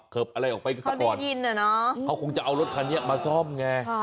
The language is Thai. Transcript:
เขาคงจะเอารถคันนี้มาซ่อมไง